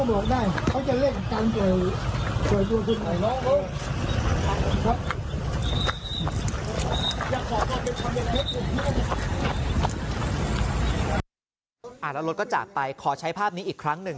แล้วรถก็จากไปขอใช้ภาพนี้อีกครั้งหนึ่ง